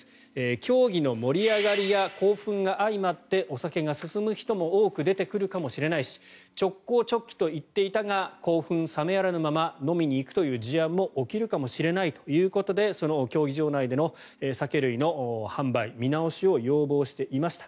競技の盛り上がりや興奮が相まってお酒が進む人も多く出てくるのかもしれないし直行直帰と言っていたが興奮冷めやらぬまま飲みに行くという事案も起きるかもしれないということでその競技場内での酒類の販売、見直しを要望していました。